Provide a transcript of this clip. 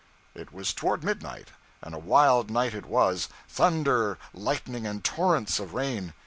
It was toward midnight, and a wild night it was thunder, lightning, and torrents of rain.